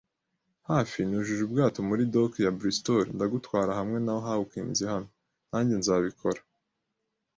hafi, Nujuje ubwato muri dock ya Bristol, ndagutwara hamwe na Hawkins hano, nanjye nzabikora